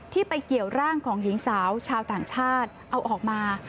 ไปเกี่ยวร่างของหญิงสาวชาวต่างชาติเอาออกมา